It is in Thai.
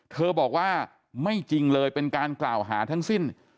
เธอบอกว่าไม่จริงเลยเป็นการกล่าวหาทั้งสิ้น